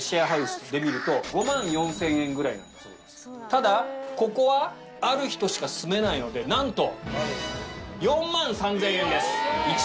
ただここはある人しか住めないのでなんと！